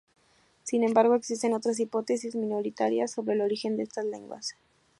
Sin embargo, existen otras hipótesis minoritarias sobre el origen de estas lenguas.